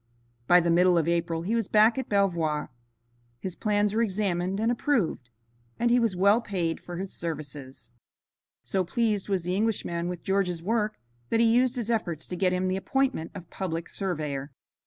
By the middle of April he was back at Belvoir. His plans were examined and approved, and he was well paid for his services. So pleased was the Englishman with George's work that he used his efforts to get him the appointment of Public Surveyor.